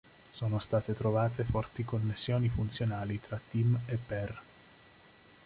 Sono state trovate forti connessioni funzionali tra "tim e per.